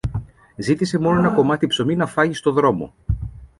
Ζήτησε μόνο ένα κομμάτι ψωμί να φάγει στο δρόμο